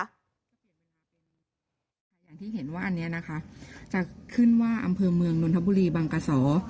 อย่างที่เห็นว่าอันนี้นะคะจะขึ้นว่าอำเภอเมืองนนทบุรีบางกระสอ